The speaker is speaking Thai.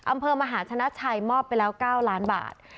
อำเภอมหาชนะชัยมอบไปแล้ว๙ล้านบาท